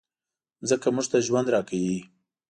مځکه موږ ته ژوند راکوي.